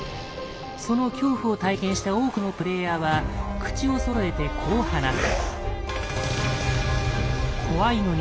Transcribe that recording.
その恐怖を体験した多くのプレイヤーは口をそろえてこう話す。